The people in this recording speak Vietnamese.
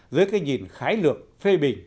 dưới cái nhìn khái lược phê bình